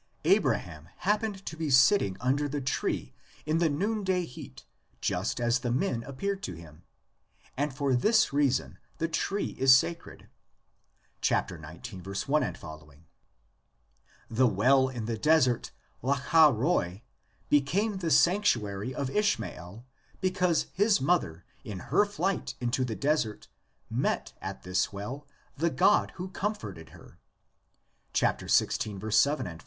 Abraham happened to be sitting under the tree in the noonday heat just as the men appeared to him, and for this reason the tree is sacred (*i«. i ff.). The well in the desert, Lacha roi, became the sanc tuary of Ishmael because his mother in her flight into the desert met at this well the God who com forted her (xvi. 7 ff.).